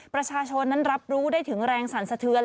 ประชาชนนั้นรับรู้ได้ถึงแรงสั่นสะเทือน